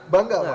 bangga malah ya